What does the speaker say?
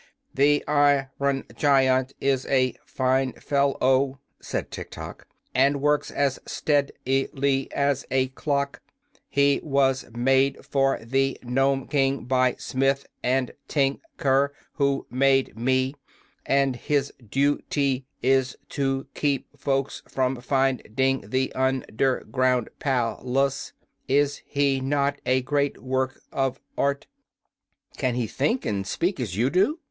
"The ir on gi ant is a fine fel low," said Tiktok, "and works as stead i ly as a clock. He was made for the Nome King by Smith & Tin ker, who made me, and his du ty is to keep folks from find ing the un der ground pal ace. Is he not a great work of art?" "Can he think, and speak, as you do?"